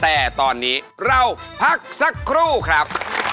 แต่ตอนนี้เราพักสักครู่ครับ